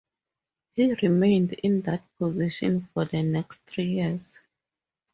He remained in that position for the next three years.